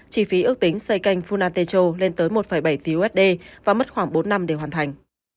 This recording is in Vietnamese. chỉ phí ước tính xây canh funatecho lên tới một bảy tí usd và mất khoảng bốn năm để hoàn thành